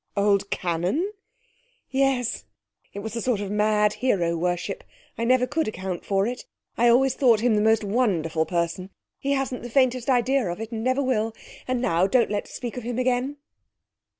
'Old Cannon?' 'Yes; it was a sort of mad hero worship. I never could account for it. I always thought him the most wonderful person. He hasn't the faintest idea of it, and never will; and now don't let's speak of him again.'